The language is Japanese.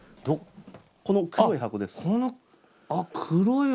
この黒い箱です。